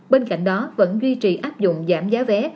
bên cạnh đó vẫn duy trì áp dụng giảm giá vé